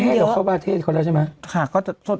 เขามีให้เหลอะเขาบ้านที่แอฟริกาใต้แล้วใช่ไหม